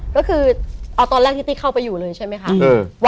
ก็คือเอาตอนแรกที่ติ๊กเข้าไปอยู่เลยใช่ไหมคะ